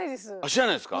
知らないですか？